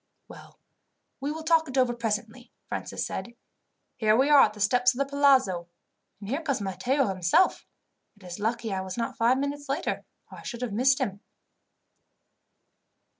"Well, we will talk it over presently," Francis said. "Here we are at the steps of the palazzo, and here comes Matteo himself. It is lucky I was not five minutes later, or I should have missed him."